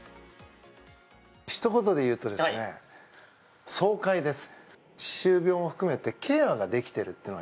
ひと言で言うと爽快です！